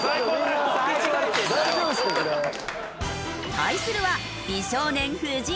対するは美少年藤井。